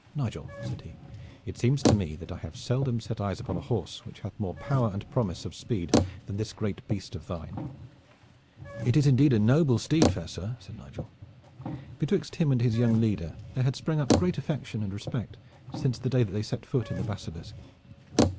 "Nigel," said he, "it seems to me that I have seldom set eyes upon a horse which hath more power and promise of speed than this great beast of thine." "It is indeed a noble steed, fair sir," said Nigel. Betwixt him and his young leader there had sprung up great affection and respect since the day that they set foot in the Basilisk.